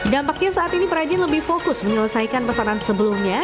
dampaknya saat ini perajin lebih fokus menyelesaikan pesanan sebelumnya